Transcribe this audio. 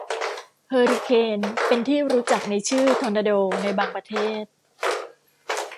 เฮอริเคน เป็นที่รู้จักในชื่อ ทอร์นาโด ในบางประเทศ